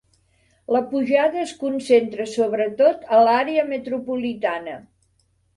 La pujada es concentra sobretot a l'àrea metropolitana